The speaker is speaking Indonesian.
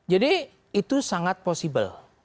jadi itu sangat possible